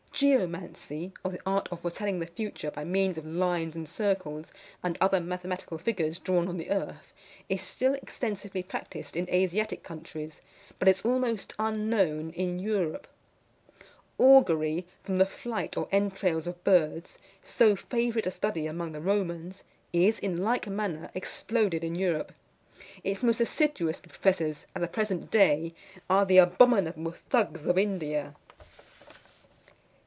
GEOMANCY, or the art of foretelling the future by means of lines and circles, and other mathematical figures drawn on the earth, is still extensively practised in Asiatic countries, but is almost unknown in Europe. AUGURY, from the flight or entrails of birds, so favourite a study among the Romans, is, in like manner, exploded in Europe. Its most assiduous professors, at the present day, are the abominable Thugs of India.